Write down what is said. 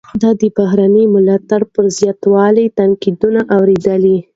ده د بهرني ملاتړ پر زیاتوالي تنقیدونه اوریدلي.